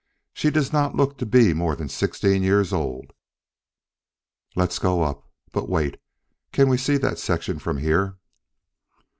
She does not look to be more than sixteen years old." "Let's go up. But wait can we see that section from here?"